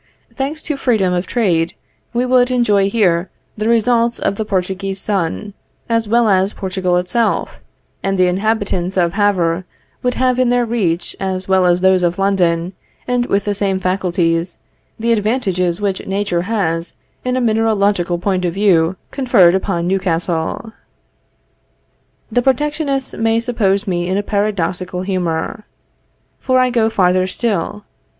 Thanks to freedom of trade, we would enjoy here the results of the Portuguese sun, as well as Portugal itself; and the inhabitants of Havre, would have in their reach, as well as those of London, and with the same facilities, the advantages which nature has in a mineralogical point of view conferred upon Newcastle. The protectionists may suppose me in a paradoxical humor, for I go farther still.